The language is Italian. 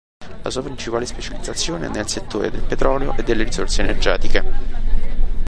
La sua principale specializzazione è nel settore del petrolio e delle risorse energetiche